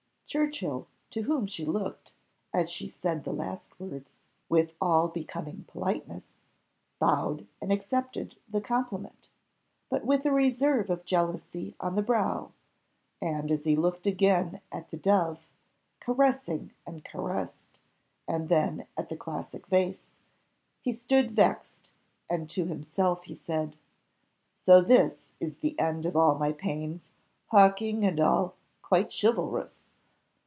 Churchill, to whom she looked, as she said the last words, with all becoming politeness, bowed and accepted the compliment, but with a reserve of jealousy on the brow; and as he looked again at the dove, caressing and caressed, and then at the classic vase he stood vexed, and to himself he said, "So this is the end of all my pains hawking and all 'quite chivalrous!